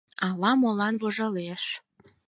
Ала-молан вожылеш.